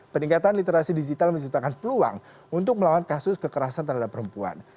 peningkatan literasi digital menciptakan peluang untuk melawan kasus kekerasan terhadap perempuan